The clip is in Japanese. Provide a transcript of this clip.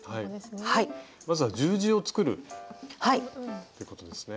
まずは十字を作るってことですね。